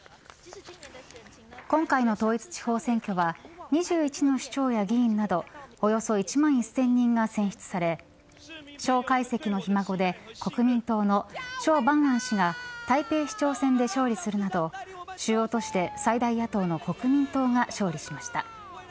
今回の統一地方選挙は２１の首長や議員などおよそ１万１０００人が選出され蒋介石のひ孫で国民党の蒋万安氏が台北市長選で勝利するなど主要都市で最大野党の国民党が勝利しました。